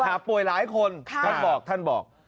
หาป่วยหลายคนท่านบอก